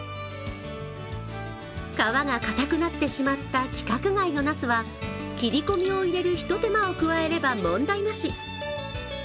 皮が硬くなってしまった規格外のなすは切り込みを入れる、ひと手間を加えれば問題なし。